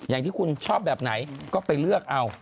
อย่างที่คุณชอบแบบไหนก็ไปเลือกเอา